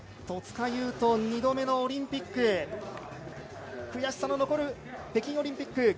戸塚優斗、２度目のオリンピック、悔しさの残る北京オリンピック。